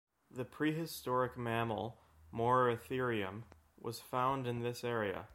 The prehistoric mammal "Moeritherium" was found in this area.